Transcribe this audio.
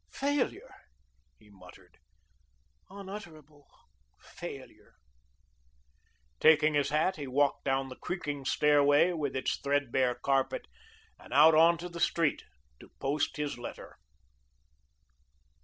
"Failure," he muttered, "unutterable failure." Taking his hat, he walked down the creaking stairway, with its threadbare carpet, and out onto the street to post his letter.